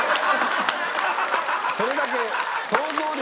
それだけ。